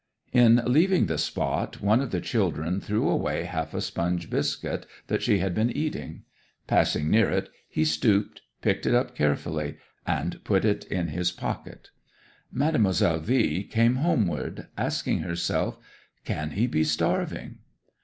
In leaving the spot one of the children threw away half a sponge biscuit that she had been eating. Passing near it he stooped, picked it up carefully, and put it in his pocket. 'Mademoiselle V came homeward, asking herself, "Can he be starving?"